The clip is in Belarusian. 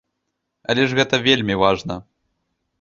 Але ж гэта вельмі важна!